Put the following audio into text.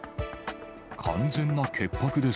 完全な潔白です。